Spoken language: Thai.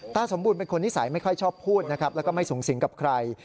สมบูรณ์เป็นคนนิสัยไม่ค่อยชอบพูดนะครับแล้วก็ไม่สูงสิงกับใคร